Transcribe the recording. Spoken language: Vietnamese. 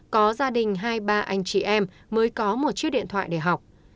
có gia đình hai ba anh chị em mới có một chiếc điện thoại để học